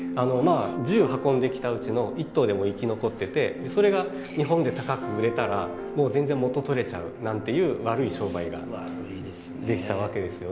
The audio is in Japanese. １０運んできたうちの１頭でも生き残っててそれが日本で高く売れたらもう全然元取れちゃうなんていう悪い商売ができちゃうわけですよね。